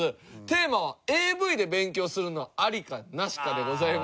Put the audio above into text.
テーマは「ＡＶで勉強するのはありかなしか」でございます。